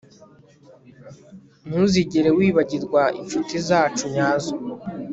ntuzigere wibagirwa inshuti zacu nyazo